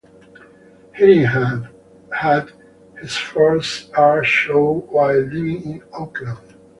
Haring had his first art show while living in Oakland.